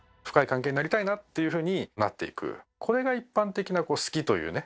これが一般的な「好き」というね